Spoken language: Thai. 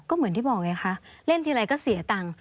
ก็เหมือนที่บอกไงคะเล่นทีไรก็เสียตังค์